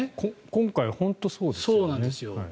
今回本当にそうですよね。